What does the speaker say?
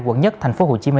quận một tp hcm